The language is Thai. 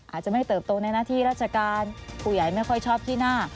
อาจจะไม่เติบโตในหน้าที่ราชการผู้ใหญ่ไม่ค่อยชอบขี้หน้า